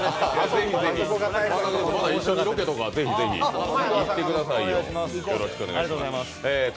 また一緒にロケとか行ってくださいよ。